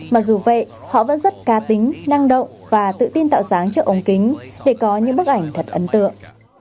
mặc dù vậy họ vẫn rất ca tính năng động và tự tin tạo dáng cho ông kính để có những bức ảnh thật ấn tượng